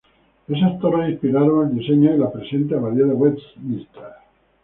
Esas torres inspiraron el diseño de la presente abadía de Westminster.